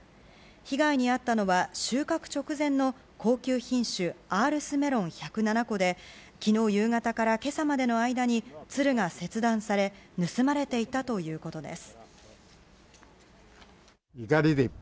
被害に遭ったのは収穫直前の高級品種アールスメロン１０７個で昨日夕方から今朝までの間につるが切断され盗まれていたということです。